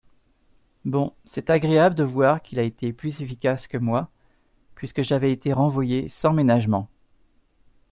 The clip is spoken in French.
Bon, c’est agréable de voir qu’il a été plus efficace que moi puisque j’avais été renvoyé sans ménagement.